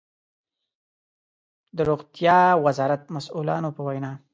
د روغتيا وزارت مسؤلانو په وينا